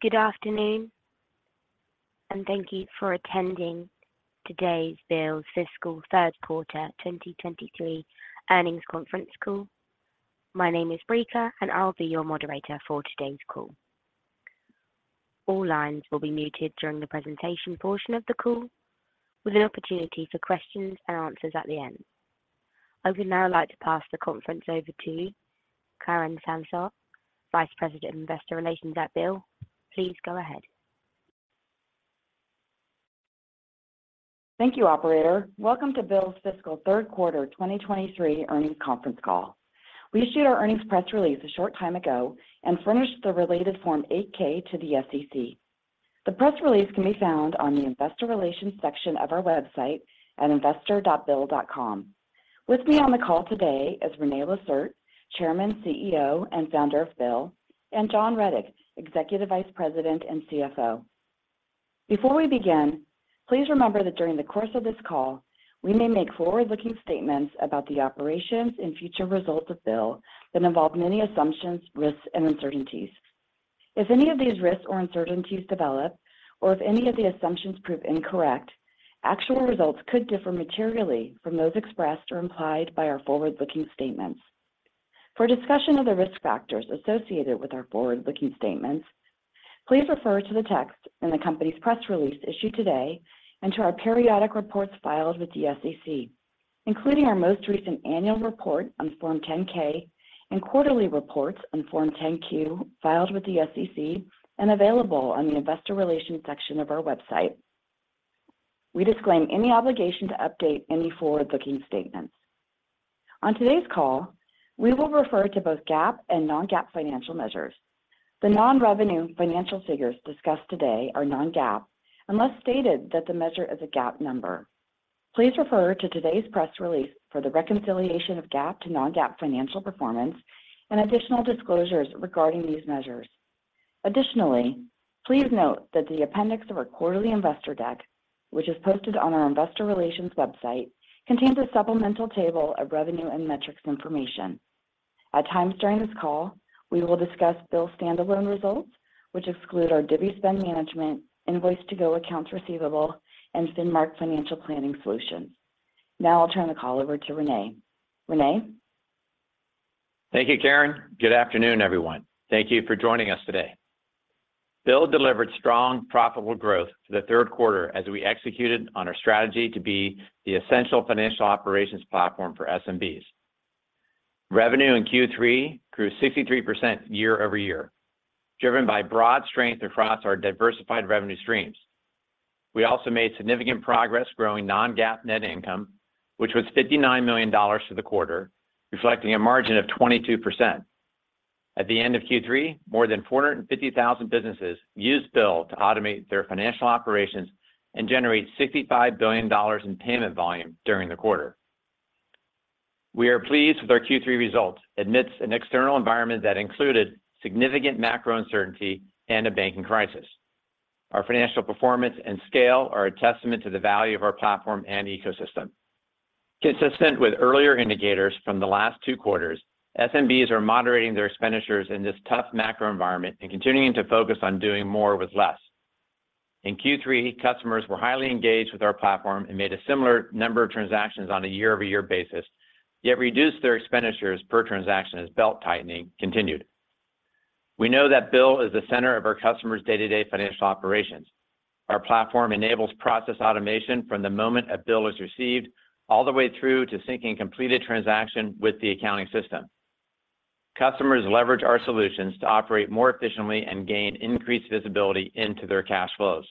Good afternoon. Thank you for attending today's BILL's Fiscal Third Quarter 2023 Earnings Conference Call. My name is Brika. I'll be your moderator for today's call. All lines will be muted during the presentation portion of the call, with an opportunity for questions and answers at the end. I would now like to pass the conference over to Karen Sansot, Vice President Investor Relations at BILL. Please go ahead. Thank you, operator. Welcome to BILL's Fiscal Third Quarter 2023 earnings conference call. We issued our earnings press release a short time ago and furnished the related Form 8-K to the SEC. The press release can be found on the Investor Relations section of our website at investor.bill.com. With me on the call today is René Lacerte, Chairman, CEO, and Founder of BILL, and John Rettig, Executive Vice President and CFO. Before we begin, please remember that during the course of this call, we may make forward-looking statements about the operations and future results of BILL that involve many assumptions, risks, and uncertainties. If any of these risks or uncertainties develop, or if any of the assumptions prove incorrect, actual results could differ materially from those expressed or implied by our forward-looking statements. For a discussion of the risk factors associated with our forward-looking statements, please refer to the text in the company's press release issued today and to our periodic reports filed with the SEC, including our most recent annual report on Form 10-K and quarterly reports on Form 10-Q filed with the SEC and available on the Investor Relations section of our website. We disclaim any obligation to update any forward-looking statements. On today's call, we will refer to both GAAP and non-GAAP financial measures. The non-revenue financial figures discussed today are non-GAAP unless stated that the measure is a GAAP number. Please refer to today's press release for the reconciliation of GAAP to non-GAAP financial performance and additional disclosures regarding these measures. Additionally, please note that the appendix of our quarterly investor deck, which is posted on our investor relations website, contains a supplemental table of revenue and metrics information. At times during this call, we will discuss BILL standalone results, which exclude our Divvy spend management, Invoice2go accounts receivable, and Finmark Financial Planning Solutions. I'll turn the call over to René. René? Thank you, Karen. Good afternoon, everyone. Thank you for joining us today. BILL delivered strong, profitable growth to the third quarter as we executed on our strategy to be the essential financial operations platform for SMBs. Revenue in Q3 grew 63% year-over-year, driven by broad strength across our diversified revenue streams. We also made significant progress growing non-GAAP net income, which was $59 million for the quarter, reflecting a margin of 22%. At the end of Q3, more than 450,000 businesses used BILL to automate their financial operations and generate $65 billion in payment volume during the quarter. We are pleased with our Q3 results amidst an external environment that included significant macro uncertainty and a banking crisis. Our financial performance and scale are a testament to the value of our platform and ecosystem. Consistent with earlier indicators from the last two quarters, SMBs are moderating their expenditures in this tough macro environment and continuing to focus on doing more with less. In Q3, customers were highly engaged with our platform and made a similar number of transactions on a year-over-year basis, yet reduced their expenditures per transaction as belt-tightening continued. We know that BILL is the center of our customers' day-to-day financial operations. Our platform enables process automation from the moment a bill is received all the way through to syncing completed transaction with the accounting system. Customers leverage our solutions to operate more efficiently and gain increased visibility into their cash flows.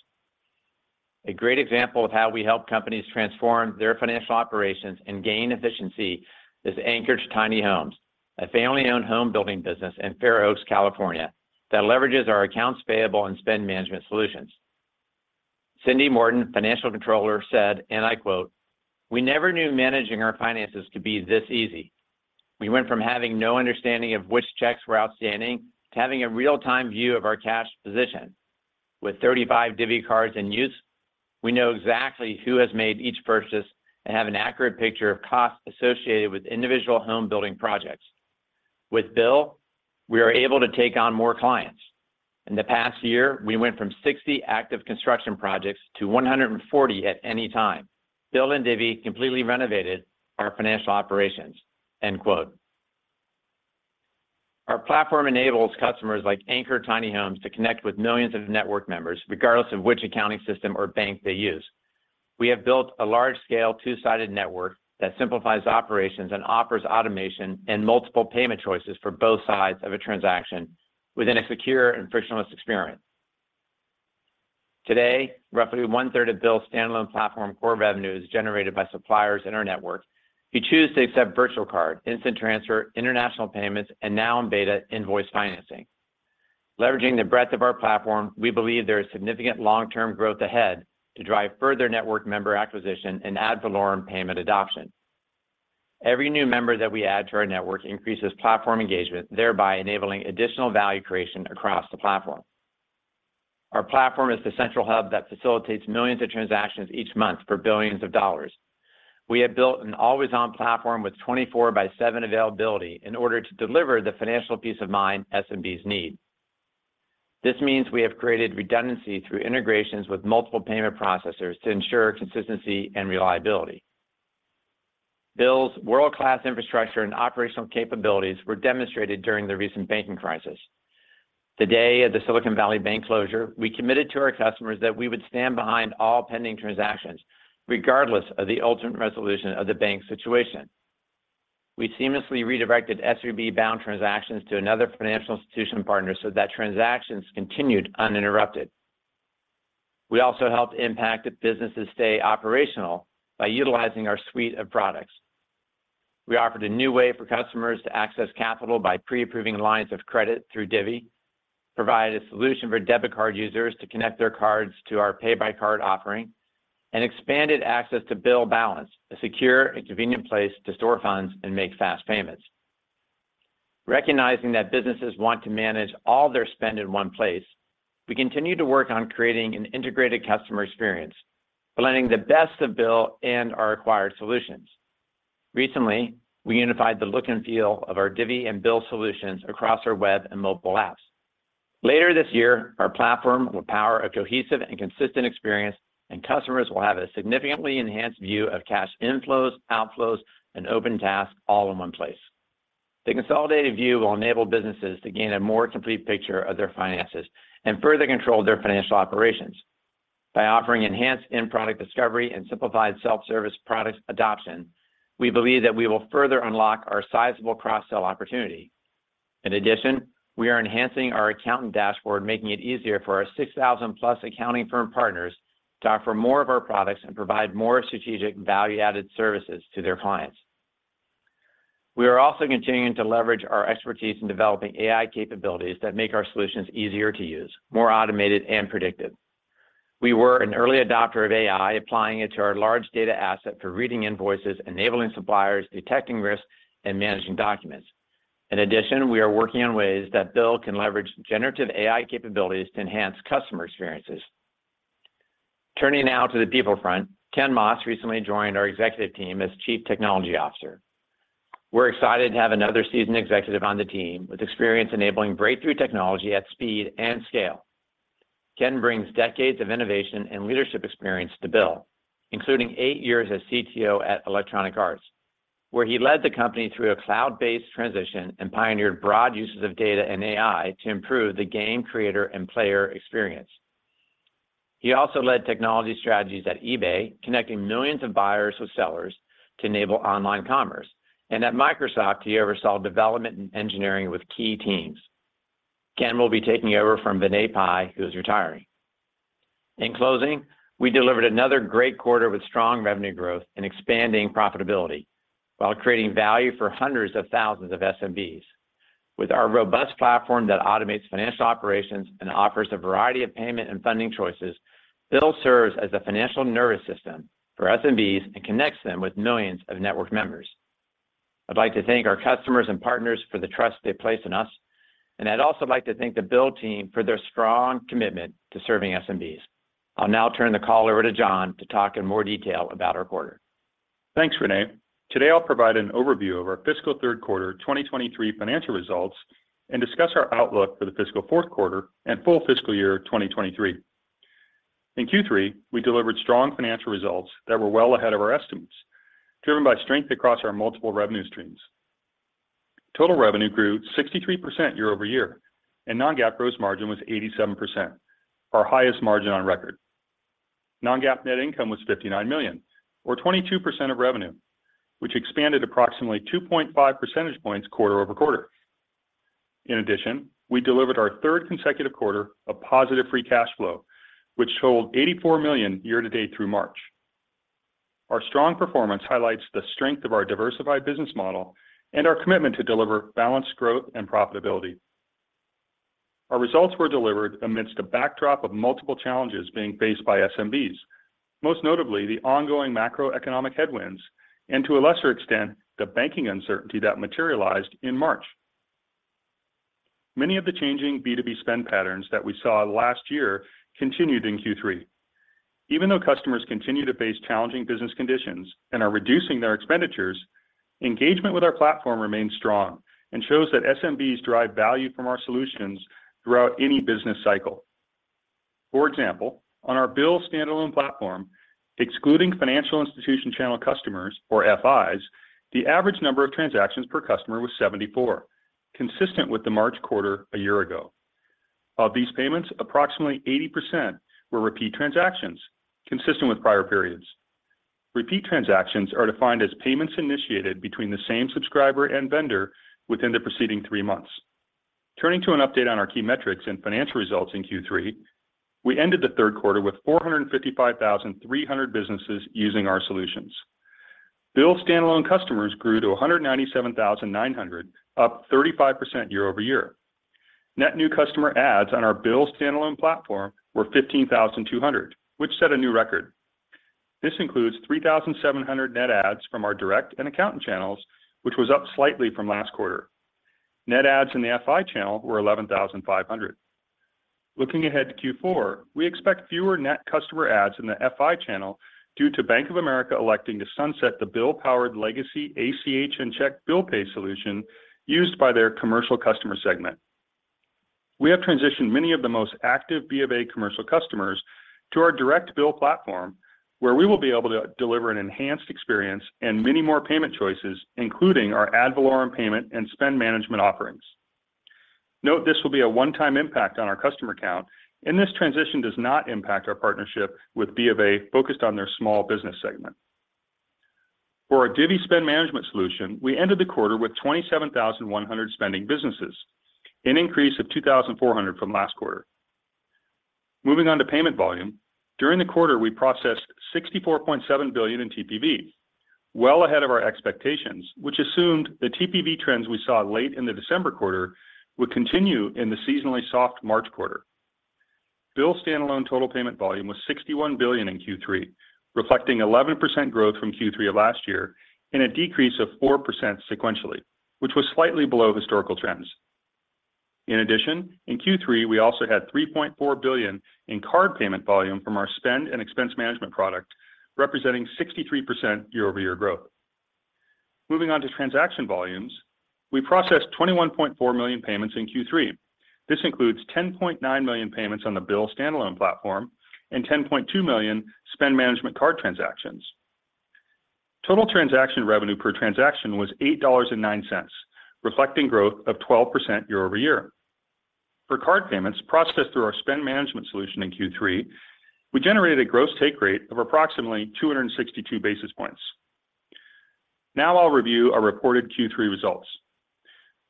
A great example of how we help companies transform their financial operations and gain efficiency is Anchored Tiny Homes, a family-owned home building business in Fair Oaks, California, that leverages our accounts payable and spend management solutions. Cindy Morton, Financial Controller, said, and I quote, "We never knew managing our finances could be this easy. We went from having no understanding of which checks were outstanding to having a real-time view of our cash position. With 35 Divvy cards in use, we know exactly who has made each purchase and have an accurate picture of costs associated with individual home building projects. With BILL, we are able to take on more clients. In the past year, we went from 60 active construction projects to 140 at any time. BILL and Divvy completely renovated our financial operations." End quote. Our platform enables customers like Anchored Tiny Homes to connect with millions of network members, regardless of which accounting system or bank they use. We have built a large-scale, two-sided network that simplifies operations and offers automation and multiple payment choices for both sides of a transaction within a secure and frictionless experience. Today, roughly 1/3 of BILL's standalone platform core revenue is generated by suppliers in our network who choose to accept virtual card, Instant Transfer, international payments, and now in beta, Invoice Financing. Leveraging the breadth of our platform, we believe there is significant long-term growth ahead to drive further network member acquisition and ad valorem payment adoption. Every new member that we add to our network increases platform engagement, thereby enabling additional value creation across the platform. Our platform is the central hub that facilitates millions of transactions each month for billions of dollars. We have built an always-on platform with 24/7 availability in order to deliver the financial peace of mind SMBs need. This means we have created redundancy through integrations with multiple payment processors to ensure consistency and reliability. BILL's world-class infrastructure and operational capabilities were demonstrated during the recent banking crisis. The day of the Silicon Valley Bank closure, we committed to our customers that we would stand behind all pending transactions, regardless of the ultimate resolution of the bank situation. We seamlessly redirected SVB-bound transactions to another financial institution partner so that transactions continued uninterrupted. We also helped impacted businesses stay operational by utilizing our suite of products. We offered a new way for customers to access capital by pre-approving lines of credit through Divvy, provided a solution for debit card users to connect their cards to our Pay By Card offering, and expanded access to BILL Balance, a secure and convenient place to store funds and make fast payments. Recognizing that businesses want to manage all their spend in one place, we continue to work on creating an integrated customer experience, blending the best of BILL and our acquired solutions. Recently, we unified the look and feel of our Divvy and BILL solutions across our web and mobile apps. Later this year, our platform will power a cohesive and consistent experience, and customers will have a significantly enhanced view of cash inflows, outflows, and open tasks all in one place. The consolidated view will enable businesses to gain a more complete picture of their finances and further control their financial operations. By offering enhanced in-product discovery and simplified self-service product adoption, we believe that we will further unlock our sizable cross-sell opportunity. We are enhancing our accountant dashboard, making it easier for our 6,000-plus accounting firm partners to offer more of our products and provide more strategic value-added services to their clients. We are also continuing to leverage our expertise in developing AI capabilities that make our solutions easier to use, more automated, and predictive. We were an early adopter of AI, applying it to our large data asset for reading invoices, enabling suppliers, detecting risks, and managing documents. We are working on ways that BILL can leverage generative AI capabilities to enhance customer experiences. Turning now to the people front, Ken Moss recently joined our executive team as Chief Technology Officer. We're excited to have another seasoned executive on the team with experience enabling breakthrough technology at speed and scale. Ken brings decades of innovation and leadership experience to BILL, including 8 years as CTO at Electronic Arts, where he led the company through a cloud-based transition and pioneered broad uses of data and AI to improve the game creator and player experience. He also led technology strategies at eBay, connecting millions of buyers with sellers to enable online commerce. At Microsoft, he oversaw development and engineering with key teams. Ken will be taking over from Vinay Pai, who is retiring. In closing, we delivered another great quarter with strong revenue growth and expanding profitability while creating value for hundreds of thousands of SMBs. With our robust platform that automates financial operations and offers a variety of payment and funding choices, BILL serves as the financial nervous system for SMBs and connects them with millions of network members. I'd like to thank our customers and partners for the trust they place in us, and I'd also like to thank the BILL team for their strong commitment to serving SMBs. I'll now turn the call over to John to talk in more detail about our quarter. Thanks, René. Today, I'll provide an overview of our fiscal third quarter 2023 financial results and discuss our outlook for the fiscal fourth quarter and full fiscal year 2023. In Q3, we delivered strong financial results that were well ahead of our estimates, driven by strength across our multiple revenue streams. Total revenue grew 63% year-over-year, and non-GAAP gross margin was 87%, our highest margin on record. Non-GAAP net income was $59 million or 22% of revenue, which expanded approximately 2.5 percentage points quarter-over-quarter. In addition, we delivered our third consecutive quarter of positive free cash flow, which totaled $84 million year-to-date through March. Our strong performance highlights the strength of our diversified business model and our commitment to deliver balanced growth and profitability. Our results were delivered amidst a backdrop of multiple challenges being faced by SMBs, most notably the ongoing macroeconomic headwinds and to a lesser extent, the banking uncertainty that materialized in March. Many of the changing B2B spend patterns that we saw last year continued in Q3. Even though customers continue to face challenging business conditions and are reducing their expenditures, engagement with our platform remains strong and shows that SMBs derive value from our solutions throughout any business cycle. For example, on our BILL standalone platform, excluding financial institution channel customers or FIs, the average number of transactions per customer was 74, consistent with the March quarter a year ago. Of these payments, approximately 80% were repeat transactions, consistent with prior periods. Repeat transactions are defined as payments initiated between the same subscriber and vendor within the preceding three months. Turning to an update on our key metrics and financial results in Q3, we ended the third quarter with 455,300 businesses using our solutions. BILL standalone customers grew to 197,900, up 35% year-over-year. Net new customer adds on our BILL standalone platform were 15,200, which set a new record. This includes 3,700 net adds from our direct and accountant channels, which was up slightly from last quarter. Net adds in the FI channel were 11,500. Looking ahead to Q4, we expect fewer net customer adds in the FI channel due to Bank of America electing to sunset the BILL-powered legacy ACH and check bill pay solution used by their commercial customer segment. We have transitioned many of the most active Bank of America commercial customers to our direct BILL platform, where we will be able to deliver an enhanced experience and many more payment choices, including our ad valorem payment and spend management offerings. Note this will be a one-time impact on our customer count, and this transition does not impact our partnership with Bank of America focused on their small business segment. For our Divvy spend management solution, we ended the quarter with 27,100 spending businesses, an increase of 2,400 from last quarter. Moving on to payment volume, during the quarter, we processed $64.7 billion in TPV, well ahead of our expectations, which assumed the TPV trends we saw late in the December quarter would continue in the seasonally soft March quarter. BILL standalone total payment volume was $61 billion in Q3, reflecting 11% growth from Q3 of last year and a decrease of 4% sequentially, which was slightly below historical trends. In addition, in Q3, we also had $3.4 billion in card payment volume from our spend and expense management product, representing 63% year-over-year growth. Moving on to transaction volumes, we processed 21.4 million payments in Q3. This includes 10.9 million payments on the BILL standalone platform and 10.2 million spend management card transactions. Total transaction revenue per transaction was $8.09, reflecting growth of 12% year-over-year. For card payments processed through our spend management solution in Q3, we generated a gross take rate of approximately 262 basis points. Now I'll review our reported Q3 results.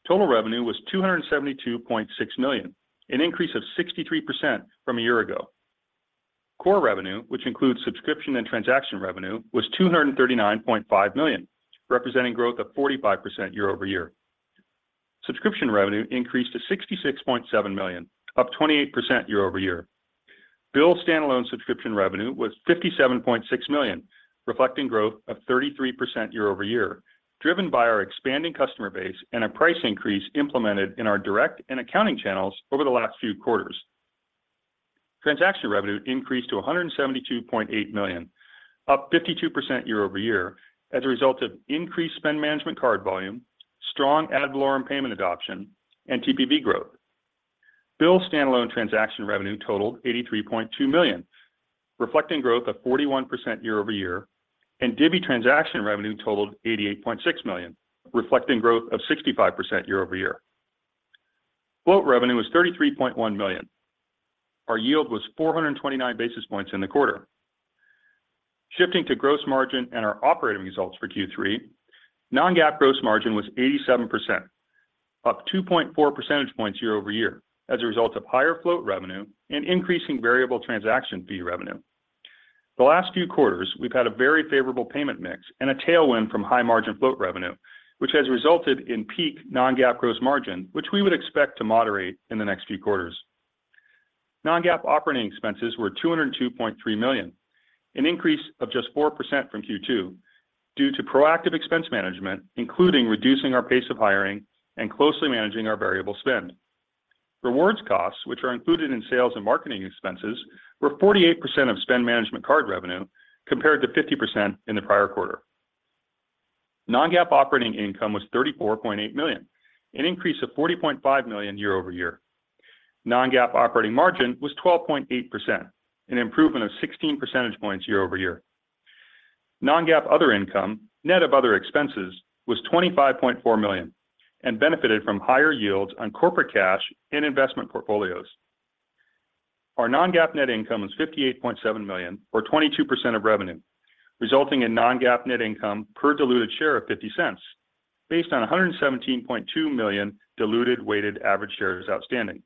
Total revenue was $272.6 million, an increase of 63% from a year ago. Core revenue, which includes subscription and transaction revenue, was $239.5 million, representing growth of 45% year-over-year. Subscription revenue increased to $66.7 million, up 28% year-over-year. BILL standalone subscription revenue was $57.6 million, reflecting growth of 33% year-over-year, driven by our expanding customer base and a price increase implemented in our direct and accounting channels over the last few quarters. Transaction revenue increased to $172.8 million, up 52% year-over-year as a result of increased spend management card volume, strong ad valorem payment adoption, and TPV growth. BILL standalone transaction revenue totaled $83.2 million, reflecting growth of 41% year-over-year, and Divvy transaction revenue totaled $88.6 million, reflecting growth of 65% year-over-year. Float revenue was $33.1 million. Our yield was 429 basis points in the quarter. Shifting to gross margin and our operating results for Q3, non-GAAP gross margin was 87%, up 2.4 percentage points year-over-year as a result of higher float revenue and increasing variable transaction fee revenue. The last few quarters, we've had a very favorable payment mix and a tailwind from high-margin float revenue, which has resulted in peak non-GAAP gross margin, which we would expect to moderate in the next few quarters. Non-GAAP operating expenses were $202.3 million, an increase of just 4% from Q2 due to proactive expense management, including reducing our pace of hiring and closely managing our variable spend. Rewards costs, which are included in sales and marketing expenses, were 48% of spend management card revenue compared to 50% in the prior quarter. Non-GAAP operating income was $34.8 million, an increase of $40.5 million year-over-year. Non-GAAP operating margin was 12.8%, an improvement of 16 percentage points year-over-year. Non-GAAP other income, net of other expenses, was $25.4 million and benefited from higher yields on corporate cash and investment portfolios. Our non-GAAP net income was $58.7 million or 22% of revenue, resulting in non-GAAP net income per diluted share of $0.50 based on 117.2 million diluted weighted average shares outstanding.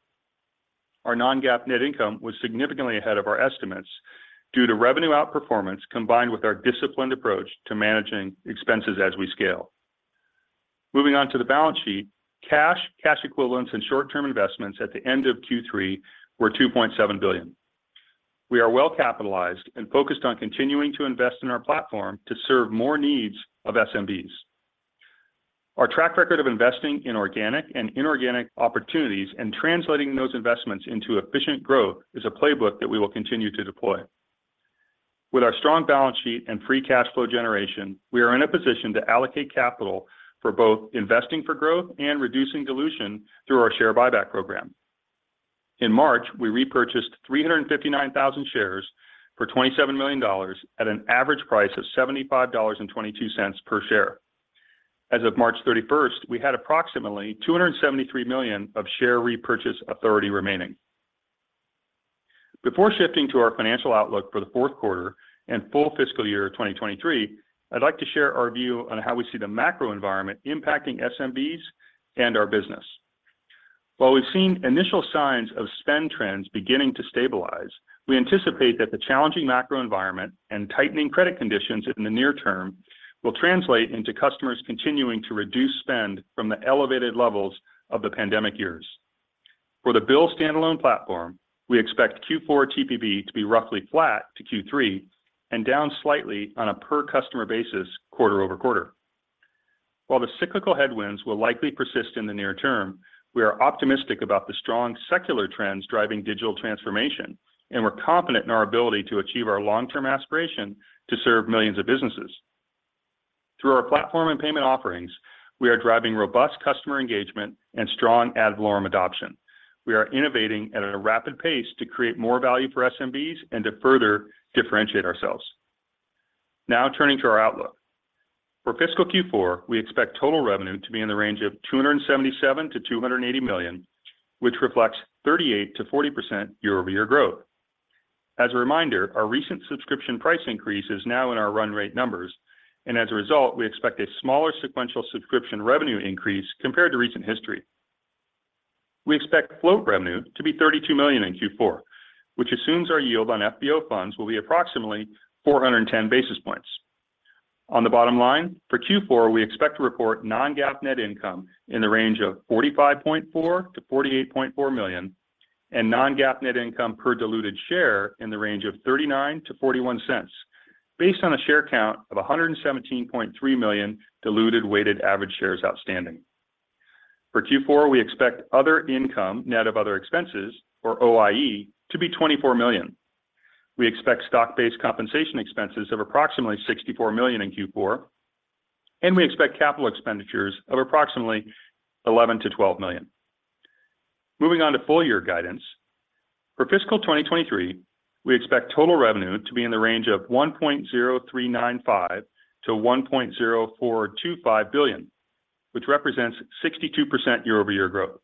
Our non-GAAP net income was significantly ahead of our estimates due to revenue outperformance combined with our disciplined approach to managing expenses as we scale. Moving on to the balance sheet, cash equivalents, and short-term investments at the end of Q3 were $2.7 billion. We are well-capitalized and focused on continuing to invest in our platform to serve more needs of SMBs. Our track record of investing in organic and inorganic opportunities and translating those investments into efficient growth is a playbook that we will continue to deploy. With our strong balance sheet and free cash flow generation, we are in a position to allocate capital for both investing for growth and reducing dilution through our share buyback program. In March, we repurchased 359,000 shares for $27 million at an average price of $75.22 per share. As of March 31st, we had approximately $273 million of share repurchase authority remaining. Before shifting to our financial outlook for the fourth quarter and full fiscal year 2023, I'd like to share our view on how we see the macro environment impacting SMBs and our business. While we've seen initial signs of spend trends beginning to stabilize, we anticipate that the challenging macro environment and tightening credit conditions in the near term will translate into customers continuing to reduce spend from the elevated levels of the pandemic years. For the BILL standalone platform, we expect Q4 TPV to be roughly flat to Q3 and down slightly on a per-customer basis quarter-over-quarter. While the cyclical headwinds will likely persist in the near term, we are optimistic about the strong secular trends driving digital transformation, and we're confident in our ability to achieve our long-term aspiration to serve millions of businesses. Through our platform and payment offerings, we are driving robust customer engagement and strong ad valorem adoption. We are innovating at a rapid pace to create more value for SMBs and to further differentiate ourselves. Now turning to our outlook. For fiscal Q4, we expect total revenue to be in the range of $277 million-$280 million, which reflects 38%-40% year-over-year growth. As a reminder, our recent subscription price increase is now in our run rate numbers, as a result, we expect a smaller sequential subscription revenue increase compared to recent history. We expect float revenue to be $32 million in Q4, which assumes our yield on FBO funds will be approximately 410 basis points. On the bottom line, for Q4, we expect to report non-GAAP net income in the range of $45.4 million-$48.4 million and non-GAAP net income per diluted share in the range of $0.39-$0.41, based on a share count of 117.3 million diluted weighted average shares outstanding. For Q4, we expect other income net of other expenses, or OIE, to be $24 million. We expect stock-based compensation expenses of approximately $64 million in Q4. We expect capital expenditures of approximately $11 million-$12 million. Moving on to full year guidance. For fiscal 2023, we expect total revenue to be in the range of $1.0395 billion-$1.0425 billion, which represents 62% year-over-year growth.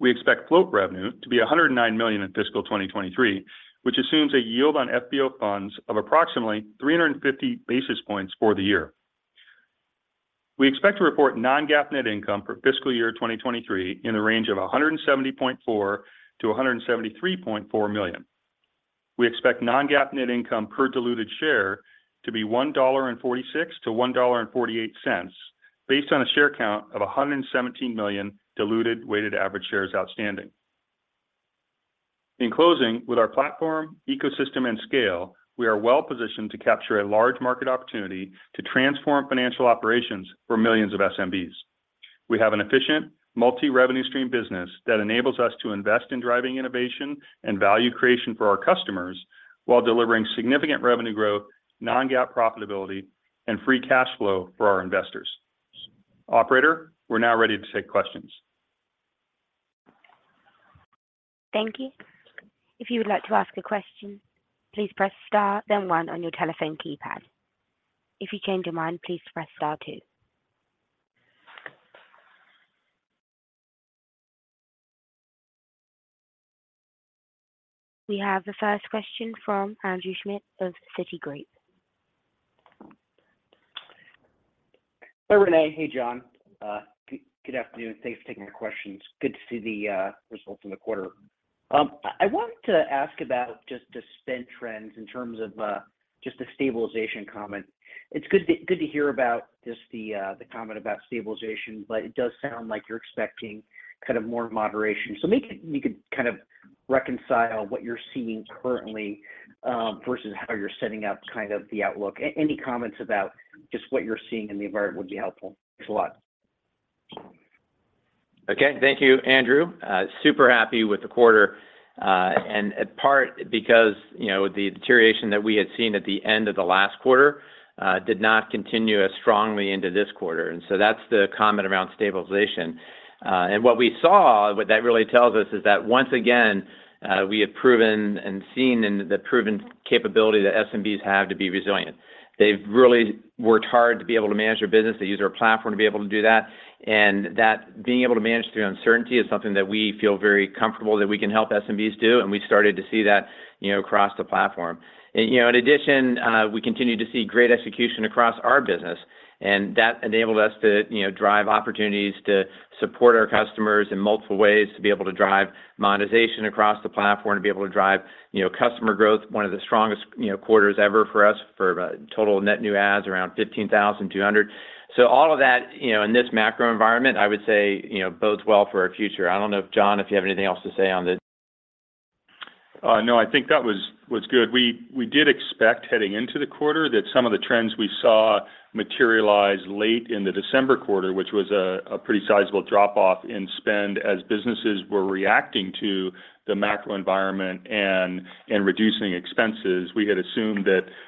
We expect float revenue to be $109 million in fiscal 2023, which assumes a yield on FBO funds of approximately 350 basis points for the year. We expect to report non-GAAP net income for fiscal year 2023 in the range of $170.4 million-$173.4 million. We expect non-GAAP net income per diluted share to be $1.46-$1.48, based on a share count of 117 million diluted weighted average shares outstanding. In closing, with our platform, ecosystem and scale, we are well positioned to capture a large market opportunity to transform financial operations for millions of SMBs. We have an efficient multi-revenue stream business that enables us to invest in driving innovation and value creation for our customers while delivering significant revenue growth, non-GAAP profitability and free cash flow for our investors. Operator, we're now ready to take questions. Thank you. If you would like to ask a question, please press star one on your telephone keypad. If you change your mind, please press star two. We have the first question from Andrew Schmidt of Citigroup. Hey, Rene. Hey, John. good afternoon. Thanks for taking the questions. Good to see the results in the quarter. I wanted to ask about just the spend trends in terms of just the stabilization comment. It's good to hear about just the comment about stabilization, but it does sound like you're expecting kind of more moderation. Maybe you could kind of reconcile what you're seeing currently versus how you're setting up kind of the outlook. Any comments about just what you're seeing in the environment would be helpful. Thanks a lot. Okay. Thank you, Andrew. Super happy with the quarter, and in part because, you know, the deterioration that we had seen at the end of the last quarter, did not continue as strongly into this quarter. That's the comment around stabilization. What we saw, what that really tells us is that once again, we have proven and seen in the proven capability that SMBs have to be resilient. They've really worked hard to be able to manage their business. They use our platform to be able to do that. That being able to manage through uncertainty is something that we feel very comfortable that we can help SMBs do, and we started to see that, you know, across the platform. You know, in addition, we continue to see great execution across our business, and that enabled us to, you know, drive opportunities to support our customers in multiple ways, to be able to drive monetization across the platform, to be able to drive, you know, customer growth. One of the strongest, you know, quarters ever for us for total net new ads around 15,200. All of that, you know, in this macro environment, I would say, you know, bodes well for our future. I don't know if, John, if you have anything else to say on this? No, I think that was good. We did expect heading into the quarter that some of the trends we saw materialize late in the December quarter, which was a pretty sizable drop off in spend as businesses were reacting to the macro environment and reducing expenses. We had assumed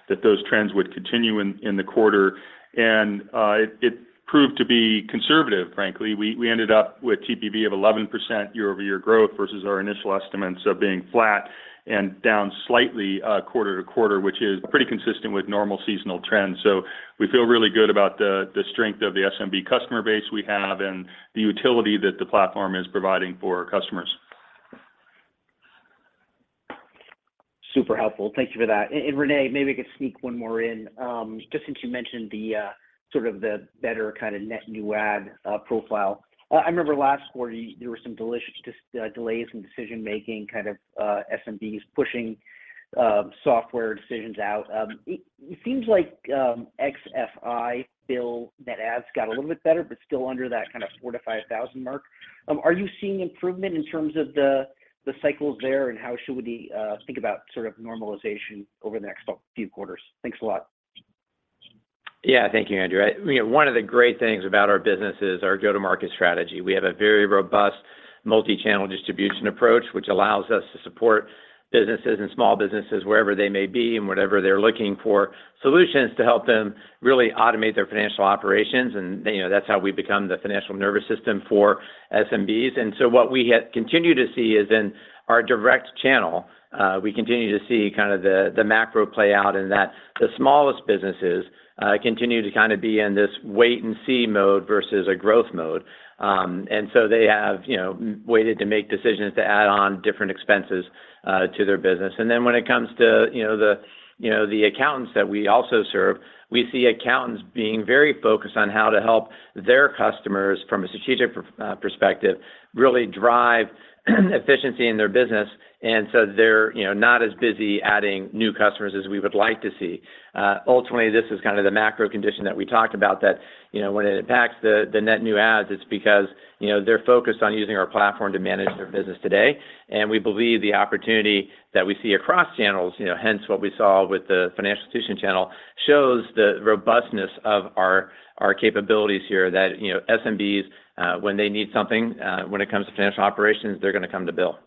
that those trends would continue in the quarter. It proved to be conservative, frankly. We ended up with TPV of 11% year-over-year growth versus our initial estimates of being flat and down slightly quarter-to-quarter, which is pretty consistent with normal seasonal trends. We feel really good about the strength of the SMB customer base we have and the utility that the platform is providing for our customers. Super helpful. Thank you for that. René, maybe I could sneak one more in. Just since you mentioned the sort of the better kind of net new ad profile. I remember last quarter there were some delicious delays in decision making, kind of SMBs pushing software decisions out. It seems like xFI BILL net ads got a little bit better, but still under that kind of 4,000-5,000 mark. Are you seeing improvement in terms of the cycles there, and how should we think about sort of normalization over the next few quarters? Thanks a lot. Yeah. Thank you, Andrew. You know, one of the great things about our business is our go-to-market strategy. We have a very robust multi-channel distribution approach, which allows us to support businesses and small businesses wherever they may be and whatever they're looking for solutions to help them really automate their financial operations. You know, that's how we become the financial nervous system for SMBs. What we continue to see is in our direct channel, we continue to see kind of the macro play out in that the smallest businesses continue to kinda be in this wait-and-see mode versus a growth mode. They have, you know, waited to make decisions to add on different expenses to their business. When it comes to, you know, the, you know, the accountants that we also serve, we see accountants being very focused on how to help their customers from a strategic perspective really drive efficiency in their business. They're, you know, not as busy adding new customers as we would like to see. Ultimately, this is kinda the macro condition that we talked about that, you know, when it impacts the net new adds, it's because, you know, they're focused on using our platform to manage their business today. We believe the opportunity that we see across channels, you know, hence what we saw with the financial institution channel, shows the robustness of our capabilities here that, you know, SMBs, when they need something, when it comes to financial operations, they're gonna come to Bill.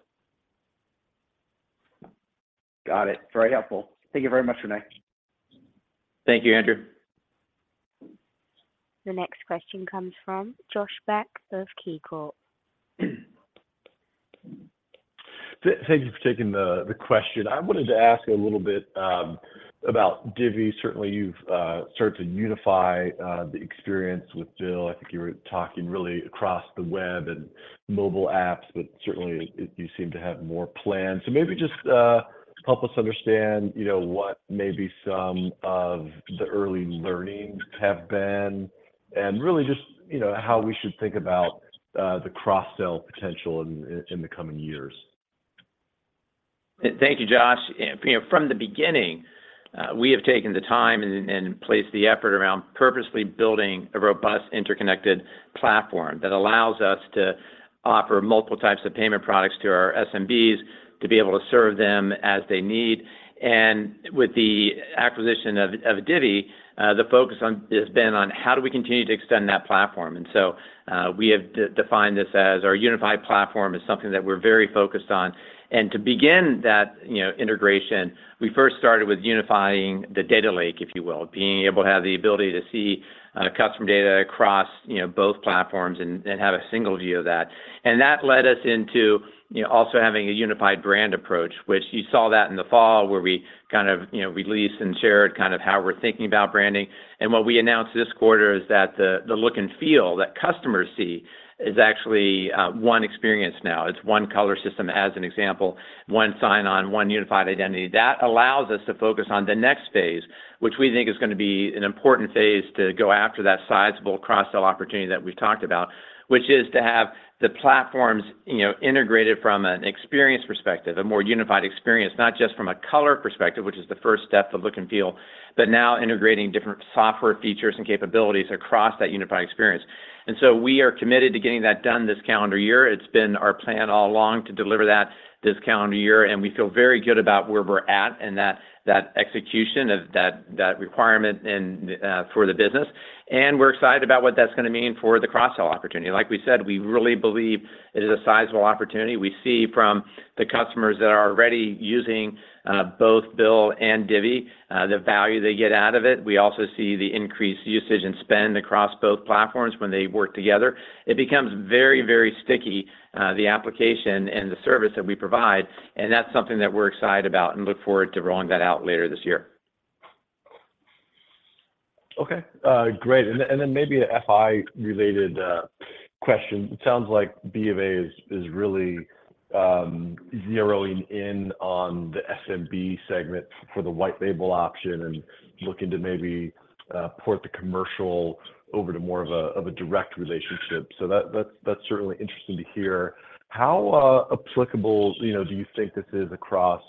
Got it. Very helpful. Thank you very much, René. Thank you, Andrew. The next question comes from Josh Beck of KeyCorp. Thank you for taking the question. I wanted to ask a little bit about Divvy. Certainly, you've started to unify the experience with BILL. I think you were talking really across the web and mobile apps, but certainly you seem to have more plans. Maybe just help us understand, you know, what maybe some of the early learnings have been, and really just, you know, how we should think about the cross-sell potential in the coming years. Thank you, Josh. You know, from the beginning, we have taken the time and placed the effort around purposely building a robust, interconnected platform that allows us to offer multiple types of payment products to our SMBs to be able to serve them as they need. With the acquisition of Divvy, the focus has been on how do we continue to extend that platform. We have defined this as our unified platform. It's something that we're very focused on. To begin that, you know, integration, we first started with unifying the data lake, if you will, being able to have the ability to see customer data across, you know, both platforms and have a single view of that. That led us into, you know, also having a unified brand approach, which you saw that in the fall where we kind of, you know, released and shared kind of how we're thinking about branding. What we announced this quarter is that the look and feel that customers see is actually one experience now. It's one color system, as an example, one sign-on, one unified identity. That allows us to focus on the next phase, which we think is going to be an important phase to go after that sizable cross-sell opportunity that we talked about. Which is to have the platforms, you know, integrated from an experience perspective, a more unified experience, not just from a color perspective, which is the first step, the look and feel, but now integrating different software features and capabilities across that unified experience. We are committed to getting that done this calendar year. It's been our plan all along to deliver that this calendar year, and we feel very good about where we're at and that execution of that requirement for the business. We're excited about what that's gonna mean for the cross-sell opportunity. Like we said, we really believe it is a sizable opportunity. We see from the customers that are already using, both BILL and Divvy, the value they get out of it. We also see the increased usage and spend across both platforms when they work together. It becomes very, very sticky, the application and the service that we provide, and that's something that we're excited about and look forward to rolling that out later this year. Great. Then maybe a FI related question. It sounds like Bank of America is really zeroing in on the SMB segment for the white label option and looking to maybe port the commercial over to more of a direct relationship. That's certainly interesting to hear. How applicable, you know, do you think this is across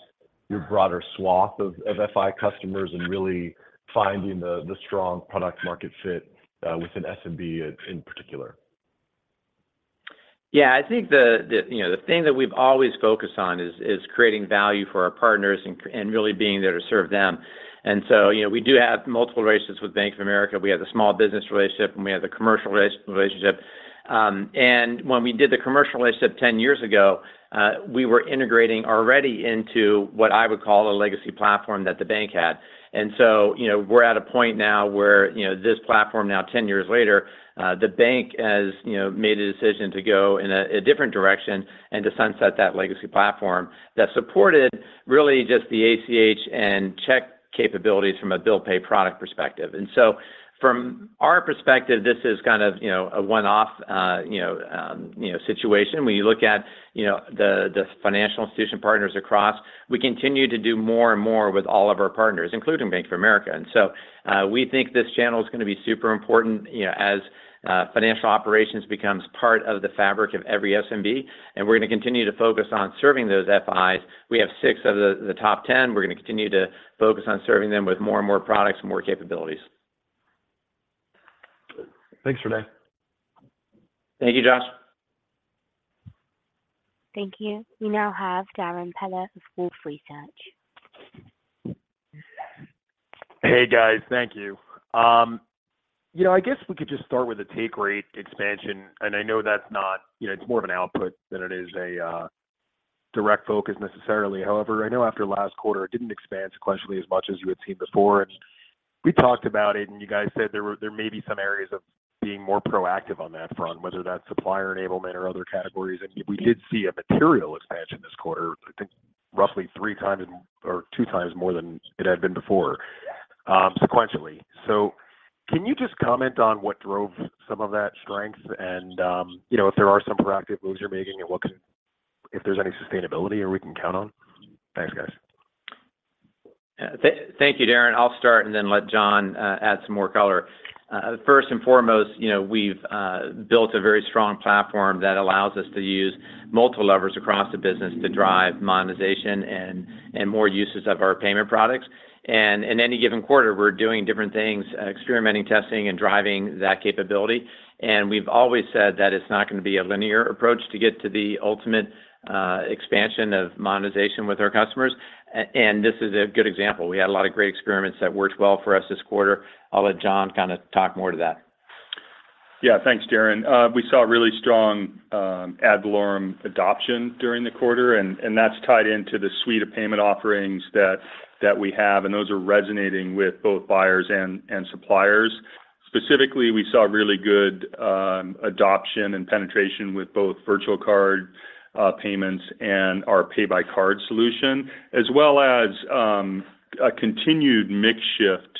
your broader swath of FI customers and really finding the strong product market fit within SMB in particular? Yeah. I think the, you know, the thing that we've always focused on is creating value for our partners and really being there to serve them. You know, we do have multiple relationships with Bank of America. We have the small business relationship, and we have the commercial relationship. When we did the commercial relationship 10 years ago, we were integrating already into what I would call a legacy platform that the bank had. You know, we're at a point now where, you know, this platform now, 10 years later, the bank has, you know, made a decision to go in a different direction and to sunset that legacy platform that supported really just the ACH and check capabilities from a bill pay product perspective. From our perspective, this is kind of, you know, a one-off, you know, situation. When you look at, you know, the financial institution partners across, we continue to do more and more with all of our partners, including Bank of America. We think this channel is gonna be super important, you know, as financial operations becomes part of the fabric of every SMB, and we're gonna continue to focus on serving those FIs. We have 6 of the top 10. We're gonna continue to focus on serving them with more and more products and more capabilities. Thanks, René. Thank you, Josh. Thank you. We now have Darrin Peller of Wolfe Research. Hey guys, thank you. You know, I guess we could just start with the take rate expansion, I know that's not... You know, it's more of an output than it is a direct focus necessarily. However, I know after last quarter it didn't expand sequentially as much as you had seen before. We talked about it, and you guys said there may be some areas of being more proactive on that front, whether that's supplier enablement or other categories. We did see a material expansion this quarter, I think roughly three times or two times more than it had been before, sequentially. Can you just comment on what drove some of that strength and, you know, if there are some proactive moves you're making and what can... If there's any sustainability we can count on? Thanks, guys. Thank you, Darrin. I'll start and then let John add some more color. First and foremost, you know, we've built a very strong platform that allows us to use multiple levers across the business to drive monetization and more uses of our payment products. In any given quarter, we're doing different things, experimenting, testing, and driving that capability. We've always said that it's not gonna be a linear approach to get to the ultimate expansion of monetization with our customers. This is a good example. We had a lot of great experiments that worked well for us this quarter. I'll let John kind of talk more to that. Yeah. Thanks, Darrin. We saw really strong ad valorem adoption during the quarter, and that's tied into the suite of payment offerings that we have, and those are resonating with both buyers and suppliers. Specifically, we saw really good adoption and penetration with both virtual card payments and our Pay By Card solution, as well as a continued mix shift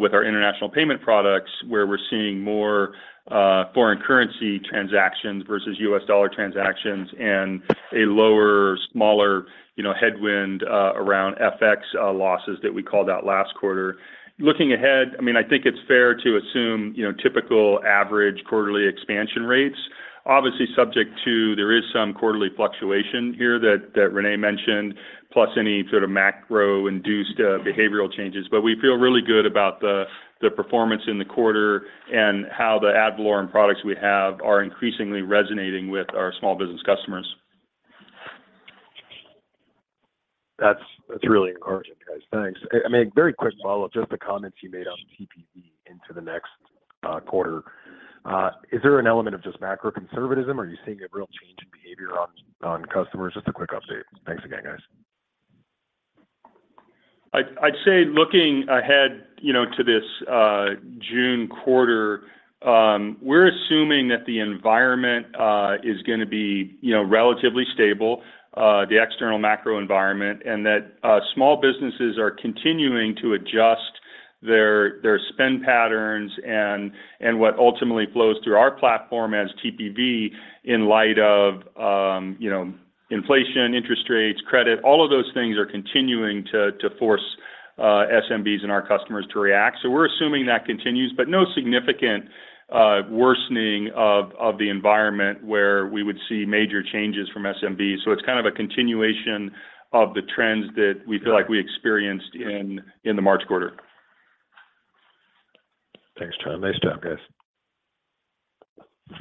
with our international payment products, where we're seeing more foreign currency transactions versus US dollar transactions and a lower, smaller, you know, headwind around FX losses that we called out last quarter. Looking ahead, I mean, I think it's fair to assume, you know, typical average quarterly expansion rates. Obviously, subject to there is some quarterly fluctuation here that René mentioned, plus any sort of macro-induced behavioral changes. We feel really good about the performance in the quarter and how the ad valorem products we have are increasingly resonating with our small business customers. That's really encouraging, guys. Thanks. I mean, very quick follow-up, just the comments you made on TPV into the next quarter. Is there an element of just macro conservatism? Are you seeing a real change in behavior on customers? Just a quick update. Thanks again, guys. I'd say looking ahead, you know, to this June quarter, we're assuming that the environment is gonna be, you know, relatively stable, the external macro environment, and that small businesses are continuing to adjust their spend patterns and what ultimately flows through our platform as TPV in light of, you know, inflation, interest rates, credit. All of those things are continuing to force SMBs and our customers to react. We're assuming that continues, but no significant worsening of the environment where we would see major changes from SMBs. It's kind of a continuation of the trends that we feel like we experienced in the March quarter. Thanks, John. Nice job, guys.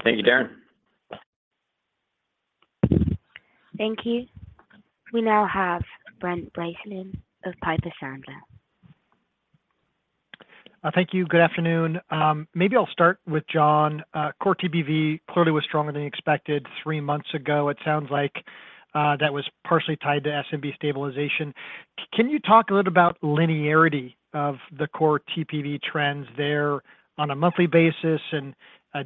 Thank you, Darrin. Thank you. We now have Brent Bracelin of Piper Sandler. Thank you. Good afternoon. Maybe I'll start with John. Core TPV clearly was stronger than expected three months ago. It sounds like that was partially tied to SMB stabilization. Can you talk a little about linearity of the core TPV trends there on a monthly basis?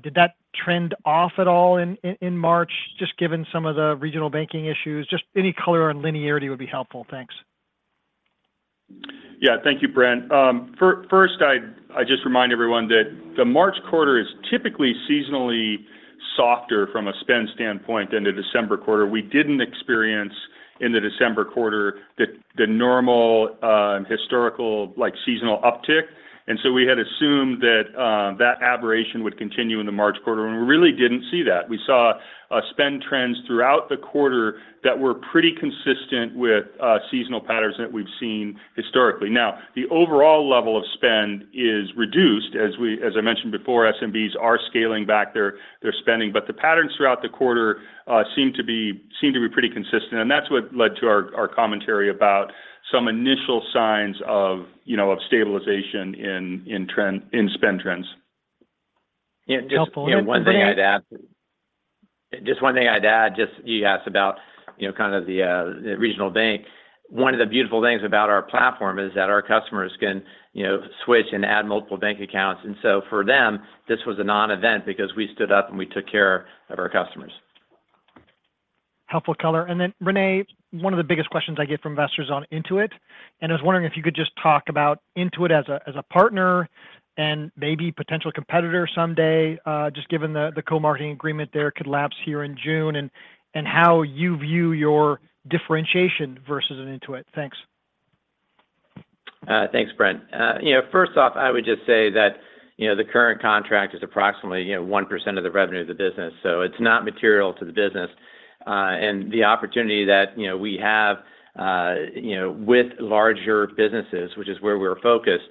Did that trend off at all in March, just given some of the regional banking issues? Just any color on linearity would be helpful. Thanks. Thank you, Brent. First, I just remind everyone that the March quarter is typically seasonally softer from a spend standpoint than the December quarter. We didn't experience in the December quarter the normal, like, seasonal uptick. We had assumed that aberration would continue in the March quarter, and we really didn't see that. We saw spend trends throughout the quarter that were pretty consistent with seasonal patterns that we've seen historically. Now, the overall level of spend is reduced. As I mentioned before, SMBs are scaling back their spending, but the patterns throughout the quarter seem to be pretty consistent, and that's what led to our commentary about some initial signs of, you know, of stabilization in spend trends. Helpful. Thanks, John. Just, you know, one thing I'd add, just you asked about, you know, kind of the regional bank. One of the beautiful things about our platform is that our customers can, you know, switch and add multiple bank accounts. For them, this was a non-event because we stood up, and we took care of our customers. Helpful color. René, one of the biggest questions I get from investors on Intuit, I was wondering if you could just talk about Intuit as a partner and maybe potential competitor someday, just given the co-marketing agreement there could lapse here in June and how you view your differentiation versus an Intuit? Thanks. Thanks, Brent. You know, first off, I would just say that, you know, the current contract is approximately, you know, 1% of the revenue of the business, so it's not material to the business. The opportunity that, you know, we have, you know, with larger businesses, which is where we're focused,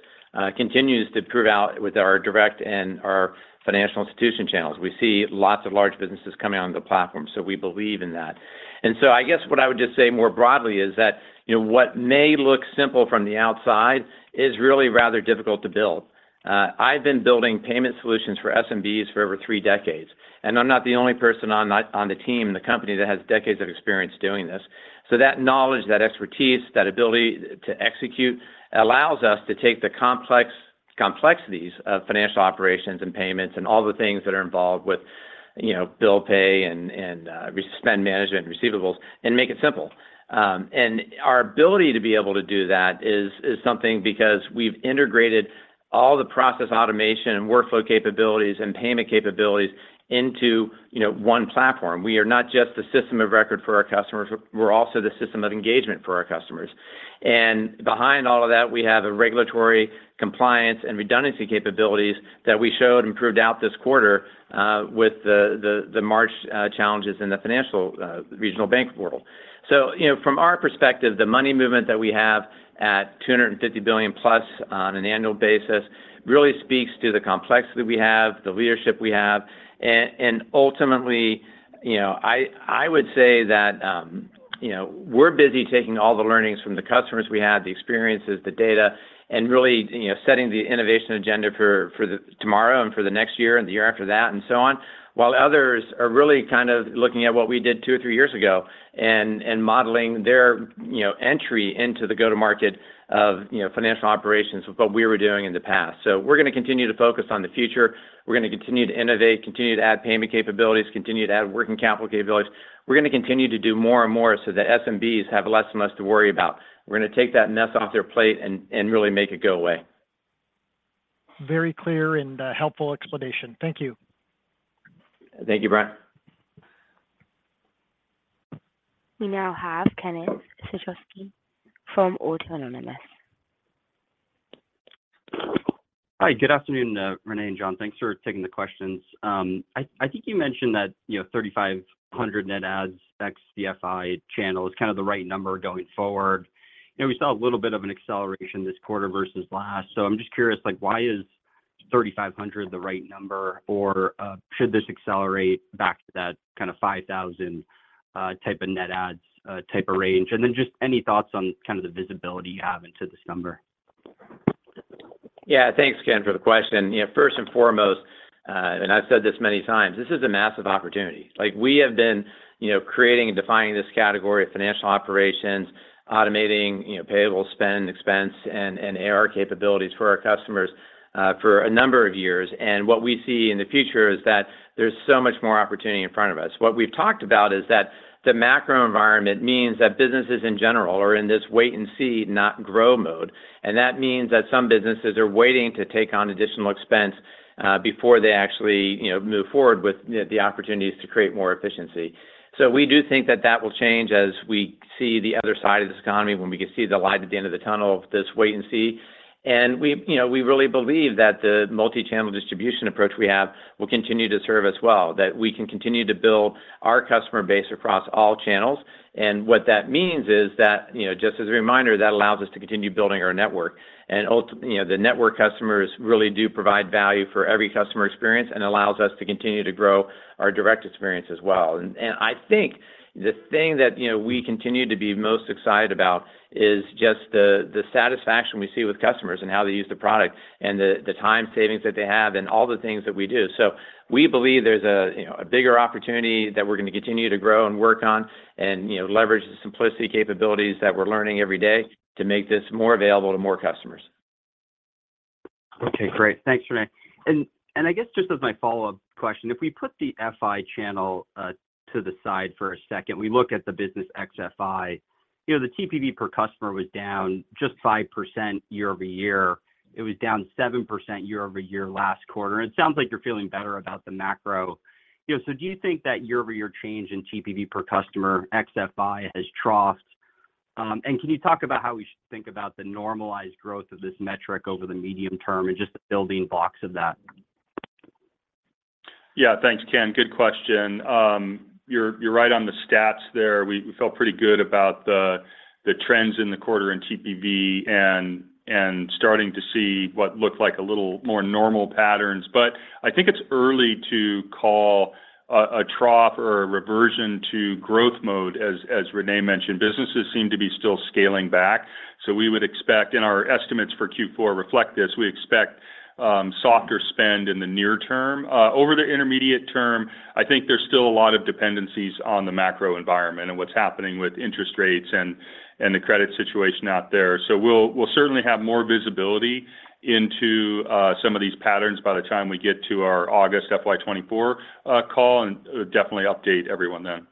continues to prove out with our direct and our financial institution channels. We see lots of large businesses coming on the platform, so we believe in that. I guess what I would just say more broadly is that, you know, what may look simple from the outside is really rather difficult to build. I've been building payment solutions for SMBs for over three decades, and I'm not the only person on the, on the team in the company that has decades of experience doing this. That knowledge, that expertise, that ability to execute allows us to take the complex complexities of financial operations and payments and all the things that are involved with, you know, bill pay and spend management receivables and make it simple. Our ability to be able to do that is something because we've integrated all the process automation and workflow capabilities and payment capabilities into, you know, one platform. We are not just the system of record for our customers, we're also the system of engagement for our customers. Behind all of that, we have a regulatory compliance and redundancy capabilities that we showed and proved out this quarter with the March challenges in the financial regional bank world. you know, from our perspective, the money movement that we have at $250 billion-plus on an annual basis really speaks to the complexity we have, the leadership we have. ultimately, you know, I would say that, you know, we're busy taking all the learnings from the customers we have, the experiences, the data, and really, you know, setting the innovation agenda for the tomorrow and for the next year and the year after that and so on, while others are really kind of looking at what we did 2 or 3 years ago and modeling their, you know, entry into the go-to-market of, you know, financial operations with what we were doing in the past. We're gonna continue to focus on the future. We're gonna continue to innovate, continue to add payment capabilities, continue to add working capital capabilities. We're gonna continue to do more and more so the SMBs have less and less to worry about. We're gonna take that mess off their plate and really make it go away. Very clear and helpful explanation. Thank you. Thank you, Brent. We now have Kenneth Suchoski from Autonomous Research. Hi. Good afternoon, René and John. Thanks for taking the questions. I think you mentioned that, you know, 3,500 net adds xFI channel is kind of the right number going forward. You know, we saw a little bit of an acceleration this quarter versus last. I'm just curious, like, why is 3,500 the right number or should this accelerate back to that kind of 5,000 type of net adds type of range? And then just any thoughts on kind of the visibility you have into this number? Yeah. Thanks, Ken, for the question. You know, first and foremost, I've said this many times, this is a massive opportunity. Like, we have been, you know, creating and defining this category of financial operations, automating, you know, payable spend, expense, and AR capabilities for our customers, for a number of years. What we see in the future is that there's so much more opportunity in front of us. What we've talked about is that the macro environment means that businesses in general are in this wait and see, not grow mode. That means that some businesses are waiting to take on additional expense, before they actually, you know, move forward with the opportunities to create more efficiency. We do think that that will change as we see the other side of this economy when we can see the light at the end of the tunnel of this wait and see. We, you know, we really believe that the multi-channel distribution approach we have will continue to serve us well, that we can continue to build our customer base across all channels. What that means is that, you know, just as a reminder, that allows us to continue building our network. You know, the network customers really do provide value for every customer experience and allows us to continue to grow our direct experience as well. I think the thing that, you know, we continue to be most excited about is just the satisfaction we see with customers and how they use the product and the time savings that they have and all the things that we do. We believe there's a, you know, a bigger opportunity that we're gonna continue to grow and work on and, you know, leverage the simplicity capabilities that we're learning every day to make this more available to more customers. Okay. Great. Thanks, René. I guess just as my follow-up question, if we put the FI channel to the side for a second, we look at the business xFI, you know, the TPV per customer was down just 5% year-over-year. It was down 7% year-over-year last quarter. It sounds like you're feeling better about the macro. You know, do you think that year-over-year change in TPV per customer xFI has troughed? Can you talk about how we should think about the normalized growth of this metric over the medium term and just the building blocks of that? Thanks, Ken. Good question. You're right on the stats there. We felt pretty good about the trends in the quarter in TPV and starting to see what looked like a little more normal patterns. I think it's early to call a trough or a reversion to growth mode, as René mentioned. Businesses seem to be still scaling back, so we would expect, and our estimates for Q4 reflect this, we expect softer spend in the near term. Over the intermediate term, I think there's still a lot of dependencies on the macro environment and what's happening with interest rates and the credit situation out there. We'll certainly have more visibility into some of these patterns by the time we get to our August FY24 call and definitely update everyone then.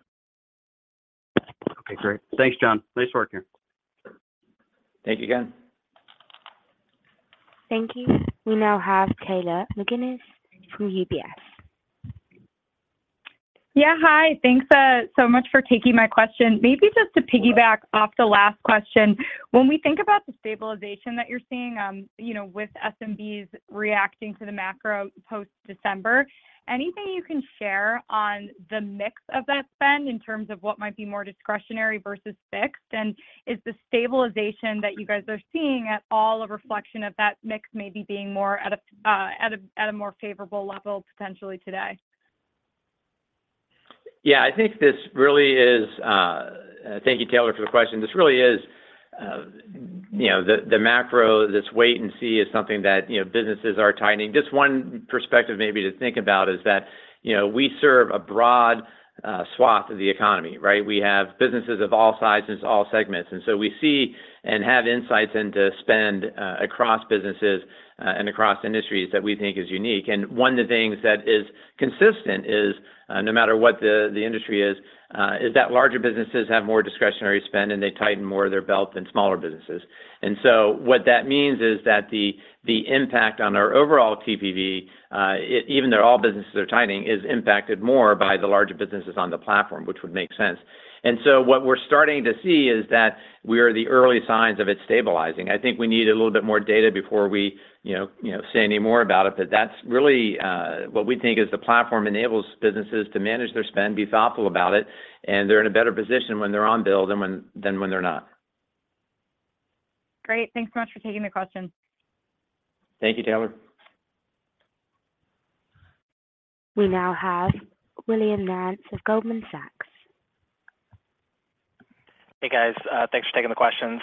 Okay. Great. Thanks, John. Nice working. Thank you, Ken. Thank you. We now have Taylor McGinnis from UBS. Yeah. Hi. Thanks so much for taking my question. Maybe just to piggyback off the last question. When we think about the stabilization that you're seeing, you know, with SMBs reacting to the macro post-December, anything you can share on the mix of that spend in terms of what might be more discretionary versus fixed? Is the stabilization that you guys are seeing at all a reflection of that mix maybe being more at a more favorable level potentially today? Yeah, I think this really is, thank you, Taylor, for the question. This really is, you know, the macro, this wait and see is something that, you know, businesses are tightening. Just one perspective maybe to think about is that, you know, we serve a broad swath of the economy, right? We have businesses of all sizes, all segments. We see and have insights into spend across businesses and across industries that we think is unique. One of the things that is consistent is no matter what the industry is that larger businesses have more discretionary spend, and they tighten more of their belt than smaller businesses. What that means is that the impact on our overall TPV, even though all businesses are tightening, is impacted more by the larger businesses on the platform, which would make sense. What we're starting to see is that we are the early signs of it stabilizing. I think we need a little bit more data before we, you know, say any more about it. That's really, what we think is the platform enables businesses to manage their spend, be thoughtful about it, and they're in a better position when they're on BILL than when they're not. Great. Thanks so much for taking the question. Thank you, Taylor. We now have Will Nance of Goldman Sachs. Hey, guys. Thanks for taking the questions.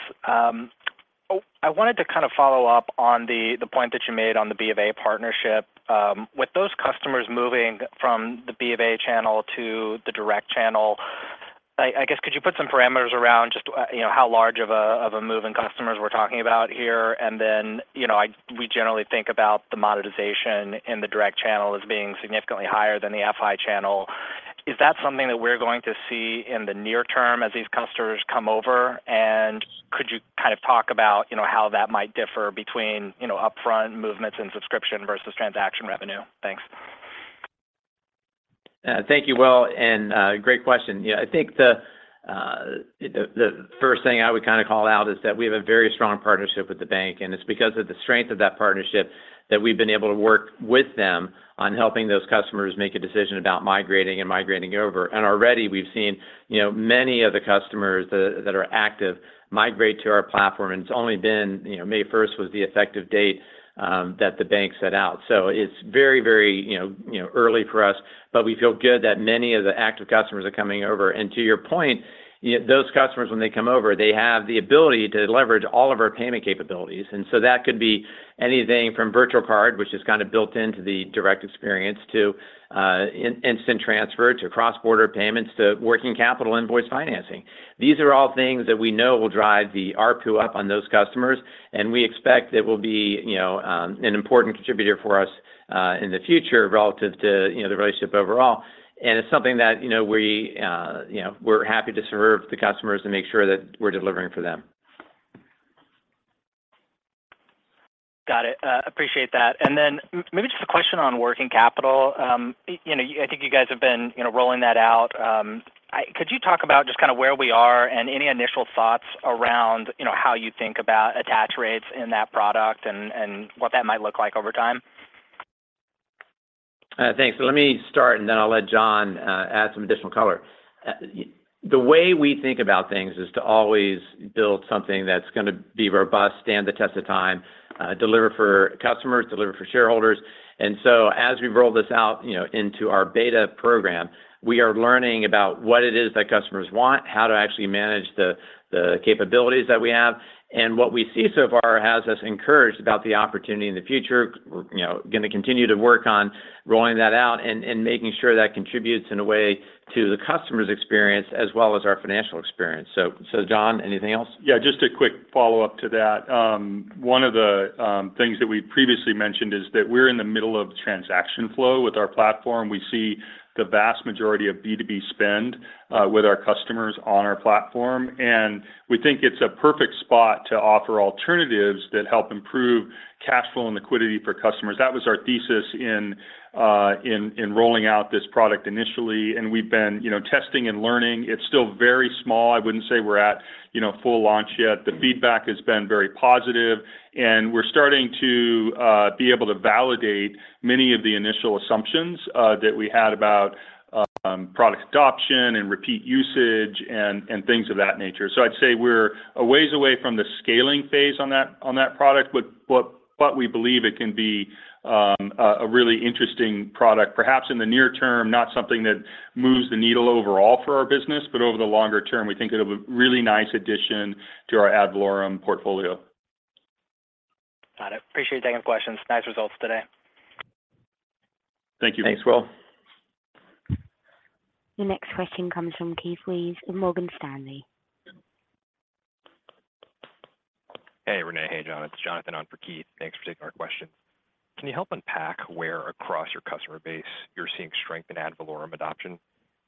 Oh, I wanted to kind of follow up on the point that you made on the Bank of America partnership. With those customers moving from the Bank of America channel to the direct channel, I guess could you put some parameters around just, you know, how large of a move in customers we're talking about here? You know, we generally think about the monetization in the direct channel as being significantly higher than the FI channel. Is that something that we're going to see in the near term as these customers come over? Could you kind of talk about, you know, how that might differ between, you know, upfront movements and subscription versus transaction revenue? Thanks. Thank you, Will, and great question. Yeah, I think the first thing I would kind of call out is that we have a very strong partnership with the bank, and it's because of the strength of that partnership that we've been able to work with them on helping those customers make a decision about migrating and migrating over. Already we've seen, you know, many of the customers that are active migrate to our platform. It's only been, you know, May 1st was the effective date that the bank set out. It's very, you know, early for us, but we feel good that many of the active customers are coming over. To your point, you know, those customers, when they come over, they have the ability to leverage all of our payment capabilities. That could be anything from virtual card, which is kind of built into the direct experience to Instant Transfer to cross-border payments to working capital Invoice Financing. These are all things that we know will drive the ARPU up on those customers, and we expect it will be, you know, an important contributor for us in the future relative to, you know, the relationship overall. It's something that, you know, we, you know, we're happy to serve the customers and make sure that we're delivering for them. Got it. Appreciate that. Maybe just a question on working capital. You know, I think you guys have been, you know, rolling that out. Could you talk about just kind of where we are and any initial thoughts around, you know, how you think about attach rates in that product and what that might look like over time? Thanks. Let me start, and then I'll let John add some additional color. The way we think about things is to always build something that's gonna be robust, stand the test of time, deliver for customers, deliver for shareholders. As we roll this out, you know, into our beta program, we are learning about what it is that customers want, how to actually manage the capabilities that we have. What we see so far has us encouraged about the opportunity in the future. You know, gonna continue to work on rolling that out and making sure that contributes in a way to the customer's experience as well as our financial experience. John, anything else? Yeah, just a quick follow-up to that. One of the things that we previously mentioned is that we're in the middle of transaction flow with our platform. We see the vast majority of B2B spend with our customers on our platform, we think it's a perfect spot to offer alternatives that help improve cash flow and liquidity for customers. That was our thesis in rolling out this product initially, we've been, you know, testing and learning. It's still very small. I wouldn't say we're at, you know, full launch yet. The feedback has been very positive, we're starting to be able to validate many of the initial assumptions that we had about product adoption and repeat usage and things of that nature. I'd say we're a ways away from the scaling phase on that product, but we believe it can be a really interesting product. Perhaps in the near term, not something that moves the needle overall for our business, but over the longer term, we think it'll be a really nice addition to our ad valorem portfolio. Got it. Appreciate taking the questions. Nice results today. Thank you. Thanks, Will. The next question comes from Keith Weiss with Morgan Stanley. Hey, René. Hey, John. It's Jonathan on for Keith. Thanks for taking our question. Can you help unpack where across your customer base you're seeing strength in ad hoc adoption?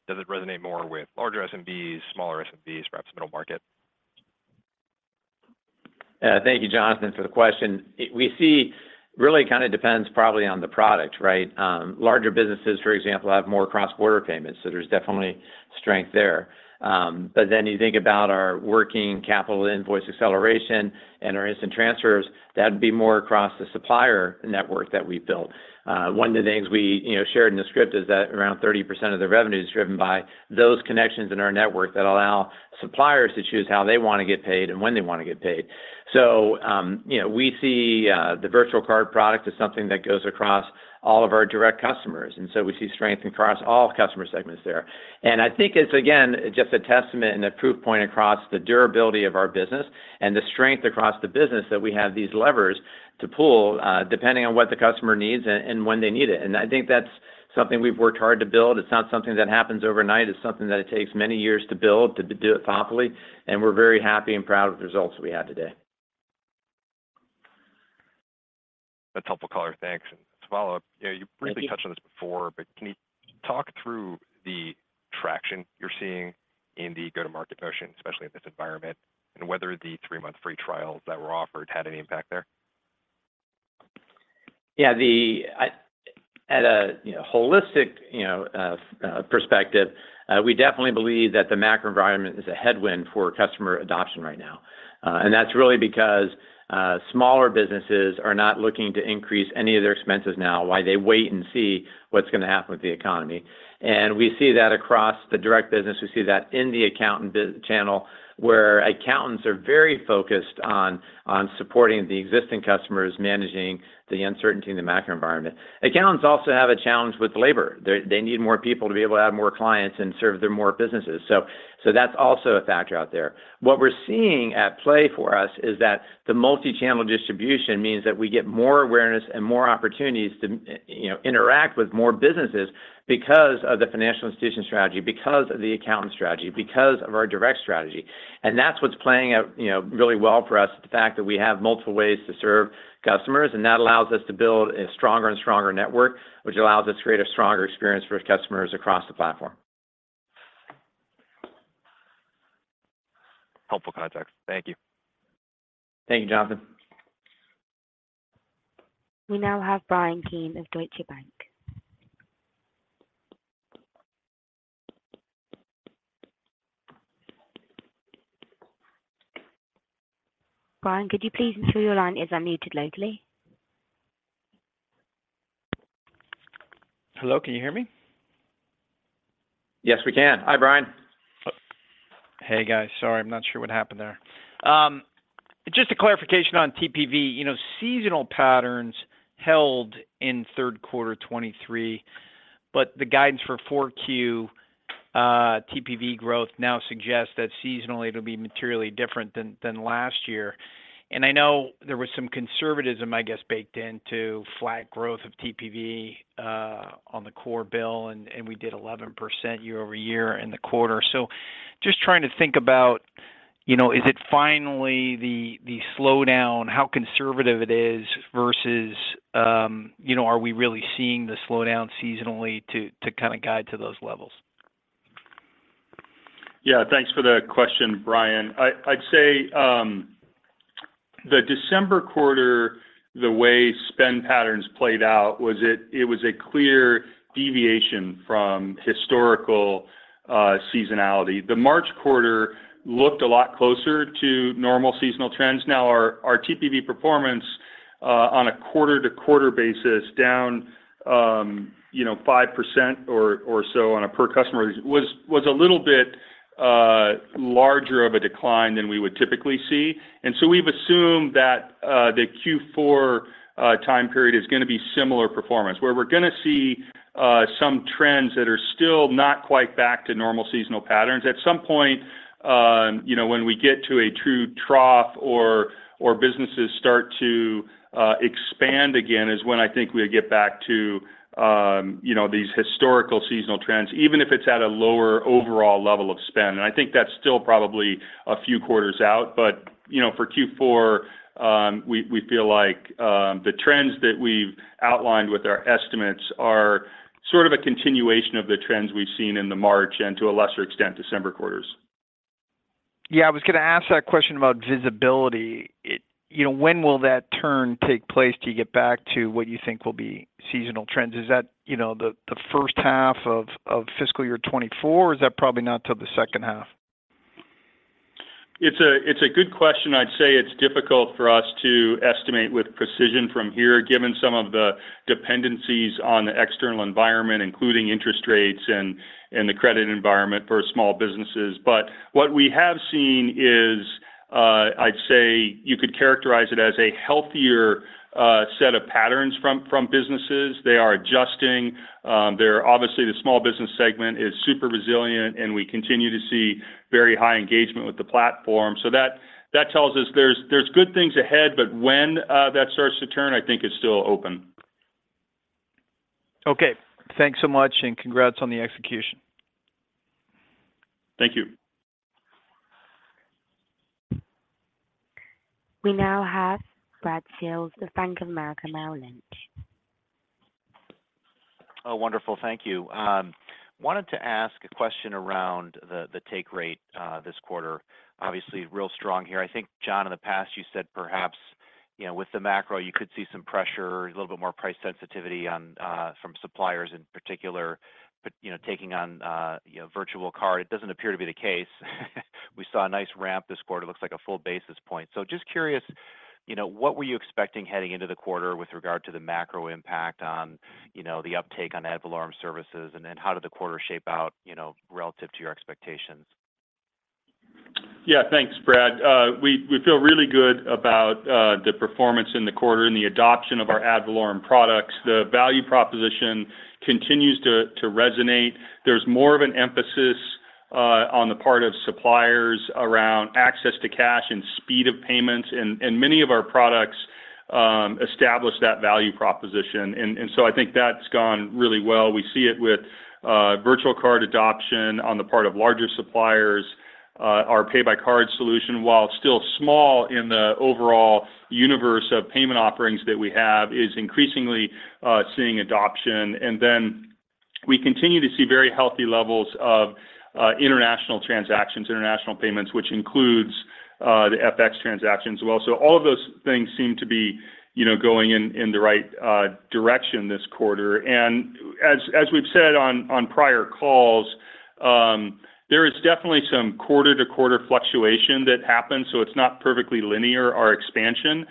Does it resonate more with larger SMBs, smaller SMBs, perhaps middle market? Thank you, Jonathan, for the question. We see really kind of depends probably on the product, right? Larger businesses, for example, have more cross-border payments, there's definitely strength there. You think about our working capital invoice acceleration and our Instant Transfers, that'd be more across the supplier network that we built. One of the things we, you know, shared in the script is that around 30% of the revenue is driven by those connections in our network that allow suppliers to choose how they wanna get paid and when they wanna get paid. You know, we see the virtual card product as something that goes across all of our direct customers. We see strength across all customer segments there. I think it's again, just a testament and a proof point across the durability of our business and the strength across the business that we have these levers to pull, depending on what the customer needs and when they need it. Something we've worked hard to build. It's not something that happens overnight. It's something that it takes many years to build, to do it properly, and we're very happy and proud of the results we had today. That's helpful, Color. Thanks. To follow up. Thank you. Yeah, you briefly touched on this before, but can you talk through the traction you're seeing in the go-to-market motion, especially in this environment, and whether the three-month free trials that were offered had any impact there? At a, you know, holistic, you know, perspective, we definitely believe that the macro environment is a headwind for customer adoption right now. That's really because smaller businesses are not looking to increase any of their expenses now while they wait and see what's gonna happen with the economy. We see that across the direct business. We see that in the accountant channel, where accountants are very focused on supporting the existing customers managing the uncertainty in the macro environment. Accountants also have a challenge with labor. They, they need more people to be able to add more clients and serve their more businesses. That's also a factor out there. What we're seeing at play for us is that the multi-channel distribution means that we get more awareness and more opportunities to, you know, interact with more businesses because of the financial institution strategy, because of the accountant strategy, because of our direct strategy. That's what's playing out, you know, really well for us, the fact that we have multiple ways to serve customers. That allows us to build a stronger and stronger network, which allows us to create a stronger experience for customers across the platform. Helpful context. Thank you. Thank you, Jonathan. We now have Bryan Keane of Deutsche Bank. Bryan, could you please ensure your line is unmuted locally? Hello, can you hear me? Yes, we can. Hi, Bryan. Hey, guys. Sorry, I'm not sure what happened there. Just a clarification on TPV. You know, seasonal patterns held in third quarter 2023. The guidance for 4Q TPV growth now suggests that seasonally it'll be materially different than last year. I know there was some conservatism, I guess, baked into flat growth of TPV on the core BILL and we did 11% year-over-year in the quarter. Just trying to think about, you know, is it finally the slowdown, how conservative it is versus, you know, are we really seeing the slowdown seasonally to kinda guide to those levels? Yeah. Thanks for the question, Bryan. I'd say the December quarter, the way spend patterns played out was it was a clear deviation from historical seasonality. The March quarter looked a lot closer to normal seasonal trends. Now, our TPV performance on a quarter-to-quarter basis down, you know, 5% or so on a per customer was a little bit larger of a decline than we would typically see. We've assumed that the Q4 time period is gonna be similar performance, where we're gonna see some trends that are still not quite back to normal seasonal patterns. At some point, you know, when we get to a true trough or businesses start to expand again, is when I think we'll get back to, you know, these historical seasonal trends, even if it's at a lower overall level of spend. I think that's still probably a few quarters out. You know, for Q4, we feel like the trends that we've outlined with our estimates are sort of a continuation of the trends we've seen in the March and, to a lesser extent, December quarters. Yeah, I was gonna ask that question about visibility. You know, when will that turn take place to get back to what you think will be seasonal trends? Is that, you know, the first half of fiscal year 2024, or is that probably not till the second half? It's a good question. I'd say it's difficult for us to estimate with precision from here, given some of the dependencies on the external environment, including interest rates and the credit environment for small businesses. What we have seen is, I'd say you could characterize it as a healthier set of patterns from businesses. They are adjusting. They're obviously the small business segment is super resilient, and we continue to see very high engagement with the platform. That tells us there's good things ahead, but when that starts to turn, I think is still open. Okay. Thanks so much, and congrats on the execution. Thank you. We now have Brad Zelnick of Bank of America Merrill Lynch. Oh, wonderful. Thank you. wanted to ask a question around the take rate this quarter. Obviously real strong here. I think, John, in the past you said perhaps, you know, with the macro you could see some pressure, a little bit more price sensitivity on from suppliers in particular, but, you know, taking on, you know, virtual card, it doesn't appear to be the case. We saw a nice ramp this quarter. It looks like a full basis point. Just curious, you know, what were you expecting heading into the quarter with regard to the macro impact on, you know, the uptake on ad valorem services, and then how did the quarter shape out, you know, relative to your expectations? Yeah. Thanks, Brad. We feel really good about the performance in the quarter and the adoption of our ad valorem products. The value proposition continues to resonate. There's more of an emphasis on the part of suppliers around access to cash and speed of payments, and many of our products establish that value proposition. I think that's gone really well. We see it with virtual card adoption on the part of larger suppliers. Our Pay By Card solution, while still small in the overall universe of payment offerings that we have, is increasingly seeing adoption. We continue to see very healthy levels of international transactions, international payments, which includes the FX transactions as well. All of those things seem to be, you know, going in the right direction this quarter. As, as we've said on prior calls, there is definitely some quarter-to-quarter fluctuation that happens, so it's not perfectly linear, our expansion.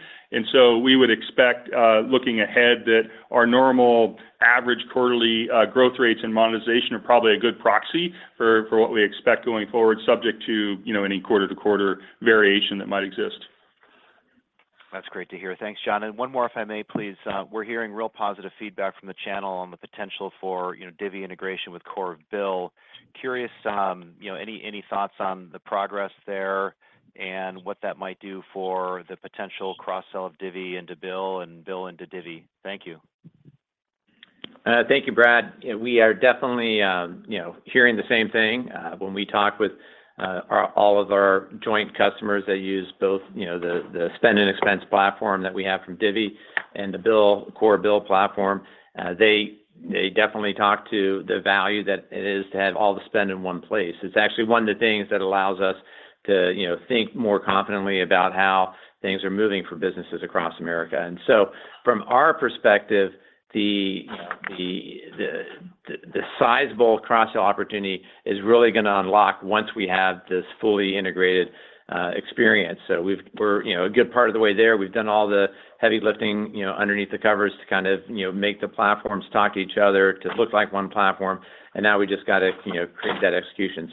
We would expect, looking ahead, that our normal average quarterly growth rates and monetization are probably a good proxy for what we expect going forward, subject to, you know, any quarter-to-quarter variation that might exist. That's great to hear. Thanks, John. One more if I may please. We're hearing real positive feedback from the channel on the potential for, you know, Divvy integration with core of BILL. Curious, you know, any thoughts on the progress there and what that might do for the potential cross sell of Divvy into BILL and BILL into Divvy? Thank you. Thank you, Brad. We are definitely, you know, hearing the same thing, when we talk with all of our joint customers that use both, you know, the spend and expense platform that we have from Divvy and the BILL, core BILL platform. They definitely talk to the value that it is to have all the spend in one place. It's actually one of the things that allows us to, you know, think more confidently about how things are moving for businesses across America. From our perspective, the, the sizable cross sell opportunity is really gonna unlock once we have this fully integrated experience. We're, you know, a good part of the way there. We've done all the heavy lifting, you know, underneath the covers to kind of, you know, make the platforms talk to each other, to look like one platform. Now we just got to, you know, create that execution.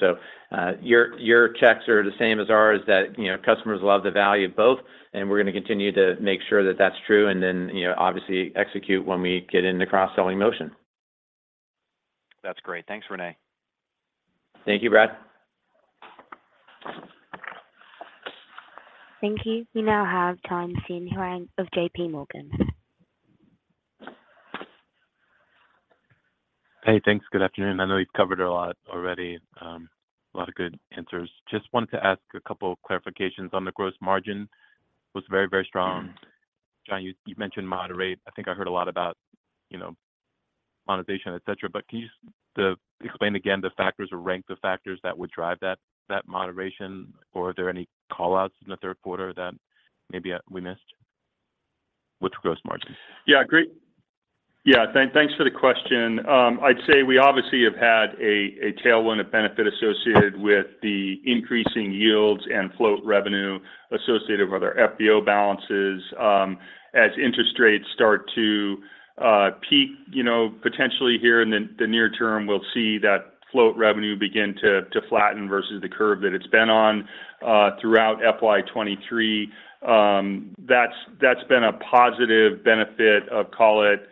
Your, your checks are the same as ours, that, you know, customers love the value of both, and we're going to continue to make sure that that's true, and then, you know, obviously execute when we get in the cross-selling motion. That's great. Thanks, René. Thank you, Brad. Thank you. We now have Tien-Tsin Huang of JPMorgan. Hey, thanks. Good afternoon. I know you've covered a lot already, a lot of good answers. Just wanted to ask a couple clarifications. On the gross margin was very, very strong. John, you mentioned moderate. I think I heard a lot about, you know, monetization, et cetera. Can you to explain again the factors or rank the factors that would drive that moderation? Are there any call-outs in the third quarter that maybe we missed with gross margin? Great. Thanks for the question. I'd say we obviously have had a tailwind, a benefit associated with the increasing yields and float revenue associated with our FBO balances, as interest rates start to peak, you know, potentially here in the near term, we'll see that float revenue begin to flatten versus the curve that it's been on throughout FY23. That's been a positive benefit of call it,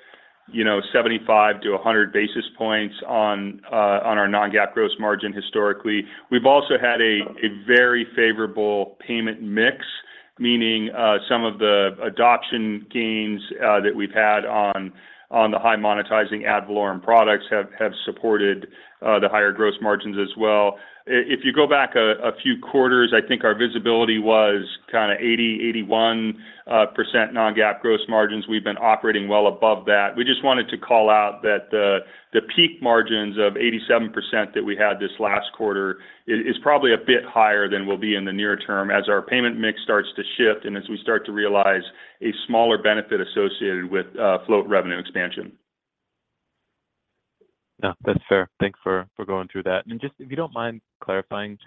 you know, 75 to 100 basis points on our non-GAAP gross margin historically. We've also had a very favorable payment mix, meaning, some of the adoption gains that we've had on the high monetizing ad valorem products have supported the higher gross margins as well. If you go back a few quarters, I think our visibility was kinda 80, 81% non-GAAP gross margins. We've been operating well above that. We just wanted to call out that the peak margins of 87% that we had this last quarter is probably a bit higher than will be in the near term as our payment mix starts to shift and as we start to realize a smaller benefit associated with float revenue expansion. No, that's fair. Thanks for going through that. Just if you don't mind clarifying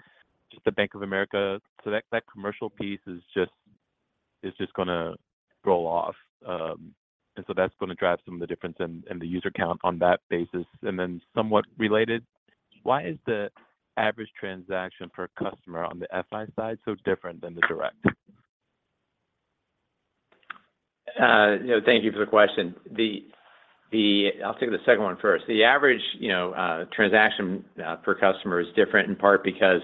just the Bank of America. That commercial piece is just going to roll off. That's going to drive some of the difference in the user count on that basis. Somewhat related, why is the average transaction per customer on the FI side so different than the direct? You know, thank you for the question. I'll take the second one first. The average, you know, transaction per customer is different in part because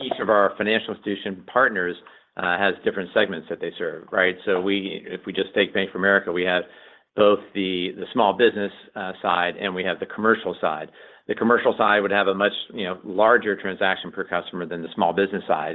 each of our financial institution partners has different segments that they serve, right? If we just take Bank of America, we have both the small business side and we have the commercial side. The commercial side would have a much, you know, larger transaction per customer than the small business side.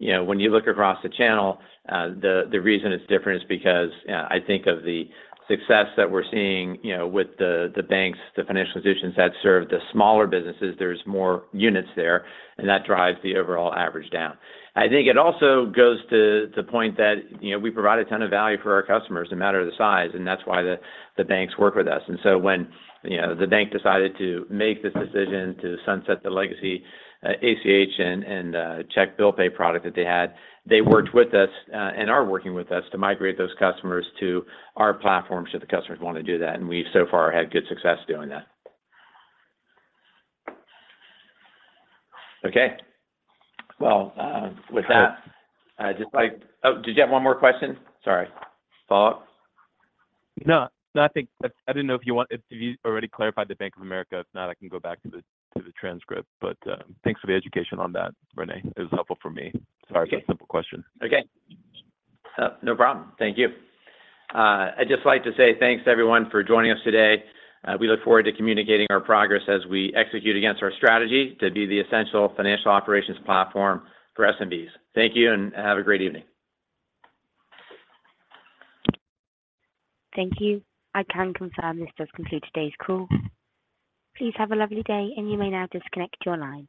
You know, when you look across the channel, the reason it's different is because I think of the success that we're seeing, you know, with the banks, the financial institutions that serve the smaller businesses, there's more units there, and that drives the overall average down. I think it also goes to point that, you know, we provide a ton of value for our customers no matter the size, and that's why the banks work with us. When, you know, the bank decided to make this decision to sunset the legacy ACH and check Bill Pay product that they had, they worked with us and are working with us to migrate those customers to our platform, should the customers wanna do that. We so far had good success doing that. Okay. Well, with that, I'd just like... Oh, did you have one more question? Sorry. Follow-up? No. No, I think. I didn't know if you already clarified the Bank of America. If not, I can go back to the transcript. Thanks for the education on that, René. It was helpful for me. Okay. Sorry for the simple question. Okay. No problem. Thank you. I'd just like to say thanks to everyone for joining us today. We look forward to communicating our progress as we execute against our strategy to be the essential financial operations platform for SMBs. Thank you. Have a great evening. Thank you. I can confirm this does conclude today's call. Please have a lovely day, and you may now disconnect your line.